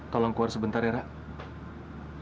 tolong keluar sebentar ratu